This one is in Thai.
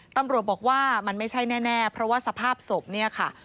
ตำรวจบอกว่ามันไม่ใช่แน่เพราะว่าสภาพศพเนี่ยค่ะ